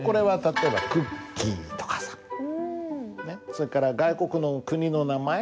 それから外国の国の名前？